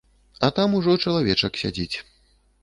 А там ужо чалавечак сядзіць.